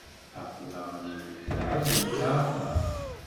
Aql-aɣ nleɛɛeb lkarṭa.